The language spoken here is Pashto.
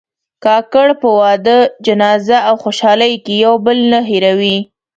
کاکړ په واده، جنازه او خوشحالۍ کې یو بل نه هېروي.